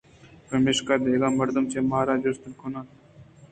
چمیشکا دگہ مردم چہ ما جست کن انت